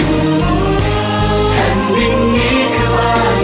แผ่นดินนี้คือบ้าน